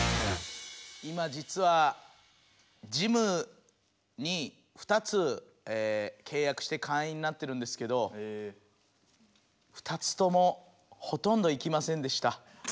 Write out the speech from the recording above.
今じつはジムに２つけいやくして会員になってるんですけど２つともほとんど行きませんでした。